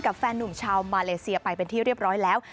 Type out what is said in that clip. แฟนนุ่มชาวมาเลเซียไปเป็นที่เรียบร้อยแล้ว